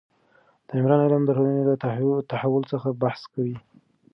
د عمران علم د ټولنې له تحول څخه بحث کوي.